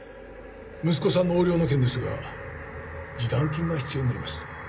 息子さんの横領の件ですが示談金が必要になります。